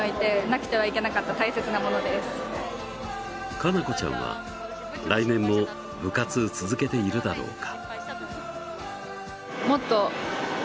かなこちゃんは来年も部活、続けているだろうか。